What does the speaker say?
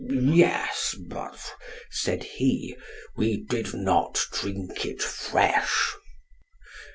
Yes, but, said he, we did not drink it fresh.